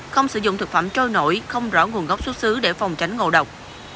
không sử dụng thực phẩm trôi nổi không rõ nguồn gốc xuất xứ để phòng tránh ngộ độc